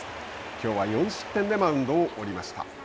きょうは４失点でマウンドを降りました。